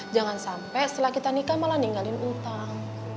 jangan sampai setelah kita nikah malah ninggalin utang